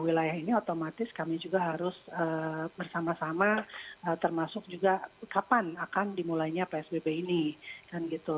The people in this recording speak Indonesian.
wilayah ini otomatis kami juga harus bersama sama termasuk juga kapan akan dimulainya psbb ini kan gitu